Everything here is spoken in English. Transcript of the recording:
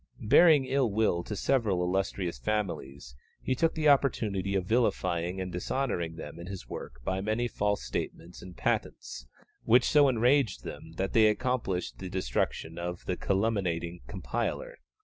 Bearing ill will to several illustrious families, he took the opportunity of vilifying and dishonouring them in his work by many false statements and patents, which so enraged them that they accomplished the destruction of the calumniating compiler.